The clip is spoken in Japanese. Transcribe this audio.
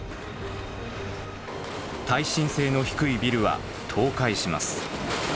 耐震性の低いビルは倒壊します。